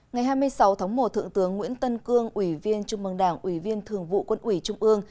ngày hai mươi sáu tháng một thượng tướng nguyễn tân cương ủy viên trung mương đảng ủy viên thường vụ quân ủy trung ương